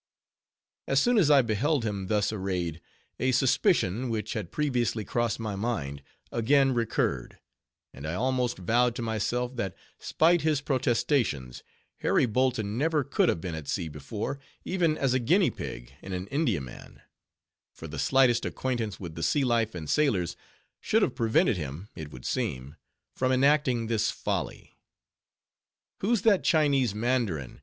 As soon as I beheld him thus arrayed, a suspicion, which had previously crossed my mind, again recurred, and I almost vowed to myself that, spite his protestations, Harry Bolton never could have been at sea before, even as a Guinea pig in an Indiaman; for the slightest acquaintance with the sea life and sailors, should have prevented him, it would seem, from enacting this folly. "Who's that Chinese mandarin?"